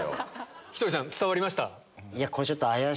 ひとりさん伝わりました？